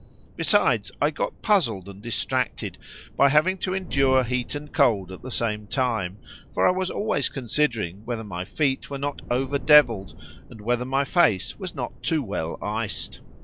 Besides, I got puzzled and distracted by having to endure heat and cold at the same time, for I was always considering whether my feet were not over devilled and whether my face was not too well iced.